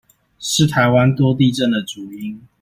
是台灣多地震的主因